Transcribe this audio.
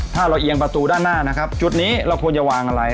ถ้าเราเอียงประตูด้านหน้านะครับจุดนี้เราควรจะวางอะไร